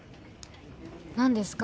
何ですか？